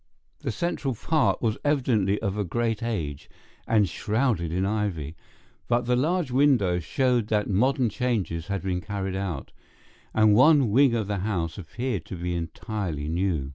The central part was evidently of a great age and shrouded in ivy, but the large windows showed that modern changes had been carried out, and one wing of the house appeared to be entirely new.